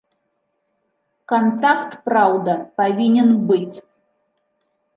Кантакт, праўда, павінен быць.